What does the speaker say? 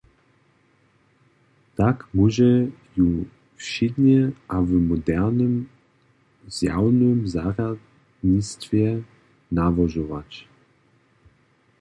Tak móže ju wšědnje a w modernym zjawnym zarjadnistwje nałožować.